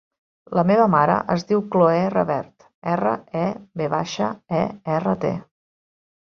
La meva mare es diu Cloè Revert: erra, e, ve baixa, e, erra, te.